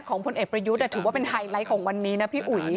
พลเอกประยุทธ์ถือว่าเป็นไฮไลท์ของวันนี้นะพี่อุ๋ย